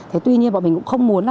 thế tuy nhiên bọn mình cũng không muốn